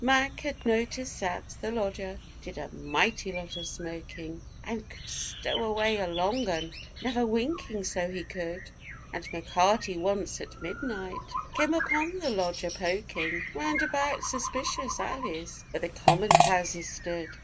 Mac. had noticed that the lodger did a mighty lot of smoking, And could 'stow away a long 'un,' never winking, so he could; And M'Carty once, at midnight, came upon the lodger poking Round about suspicious alleys where the common houses stood.